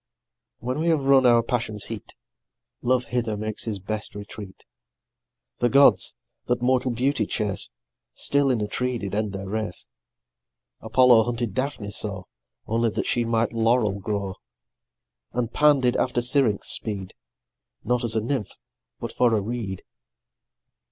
When we have run our passion's heat, Love hither makes his best retreat. The gods, that mortal beauty chase, Still in a tree did end their race: Apollo hunted Daphne so, Only that she might laurel grow; And Pan did after Syrinx speed, Not as a nymph, but for a reed.